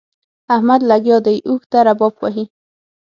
احمد لګيا دی؛ اوښ ته رباب وهي.